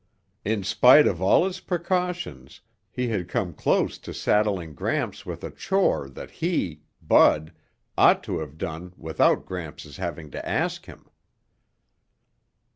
In spite of all his precautions, he had come close to saddling Gramps with a chore that he, Bud, ought to have done without Gramps' having to ask him.